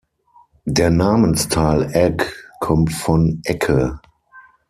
Der Namensteil "Egg" kommt von "Ecke".